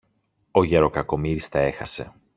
Ο γερο-Κακομοίρης τα έχασε.